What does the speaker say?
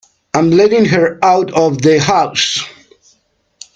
I'm letting her out of the house.